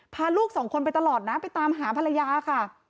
พาลูกสองคนไปตลอดนะไปตามหาภรรยาค่ะ